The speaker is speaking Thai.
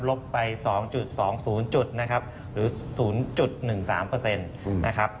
ลบไป๒๒ศูนย์จุดหรือ๐๑๓เปอร์เซ็นต์